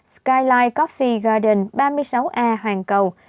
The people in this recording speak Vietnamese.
skyline coffee garden ba mươi sáu a hoàng cầu